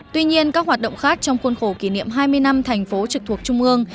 tuy nhiên các hoạt động khác trong khuôn khổ kỷ niệm hai mươi năm thành phố trực thuộc trung ương